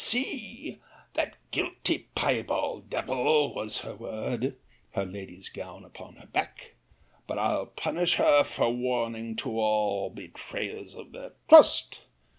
'See, that guilty pyeball devil, was her word—(her lady's gown upon her back)—but I'll punish her for a warning to all betrayers of their trust.